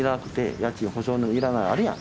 家賃保証のいらないあるやん